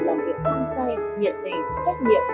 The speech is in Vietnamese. làm việc tham say nhiệt tình trách nhiệm